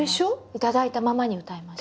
頂いたままに歌いました。